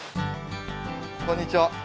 こんにちは。